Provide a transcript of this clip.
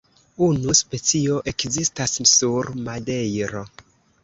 Unu specio ekzistas sur Madejro.